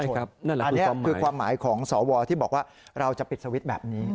อันนี้คือความหมายของสวที่บอกว่าเราจะปิดสวิตช์แบบนี้